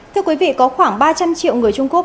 thưa quý vị có khoảng ba trăm linh triệu người trung quốc